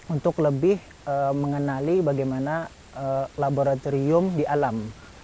untuk lebih mengenali bagaimana laboratorium di alam